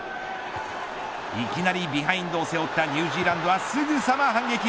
いきなりビハインドを背負ったニュージーランドはすぐさま反撃。